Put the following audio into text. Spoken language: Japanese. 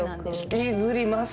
引きずりますよ。